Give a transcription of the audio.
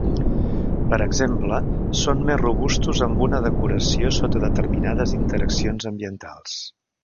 Per exemple, són més robustos amb una decoració sota determinades interaccions ambientals.